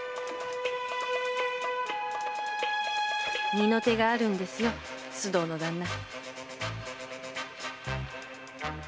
二の手があるんですよ須藤の旦那